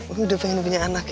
aku udah pengen punya anak ya